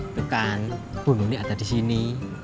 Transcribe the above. itu kan bunuh ada di sini